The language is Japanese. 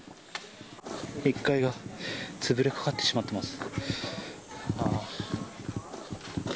１階が潰れかかってしまっています。